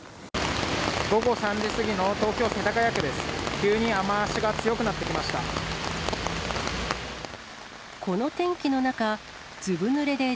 午後３時過ぎの東京・世田谷区です。